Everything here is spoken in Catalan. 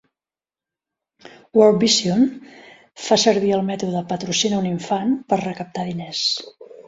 World Vision fa servir el mètode "Patrocina un infant" per recaptar diners.